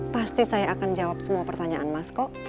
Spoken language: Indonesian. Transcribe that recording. pasti saya akan jawab semua pertanyaan mas kok